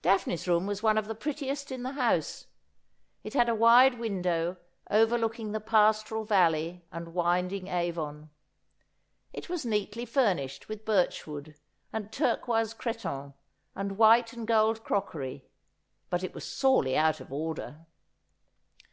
Daphne's room was one of the prettiest in the house. It had a wide window, overlooking the pastoral valley and winding Avon. It was neatly furnished with birchwood, and turquoise cretonne, and white and gold crockery, but it was sorely out of order.